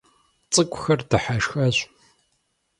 ЦӀыкӀухэр дыхьэшхащ.